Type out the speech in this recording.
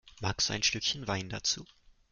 Magst du ein Schlückchen Wein dazu?